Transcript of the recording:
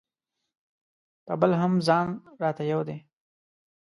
په بل هم ځان راته یو دی.